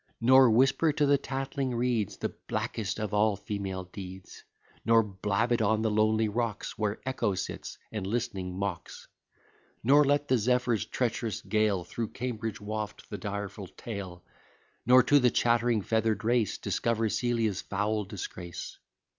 Nor whisper to the tattling reeds The blackest of all female deeds; Nor blab it on the lonely rocks, Where Echo sits, and listening mocks; Nor let the Zephyr's treacherous gale Through Cambridge waft the direful tale; Nor to the chattering feather'd race Discover Celia's foul disgrace.